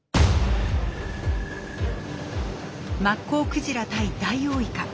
マッコウクジラ対ダイオウイカ。